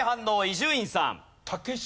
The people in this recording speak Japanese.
伊集院さん。